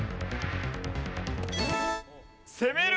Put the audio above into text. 攻める！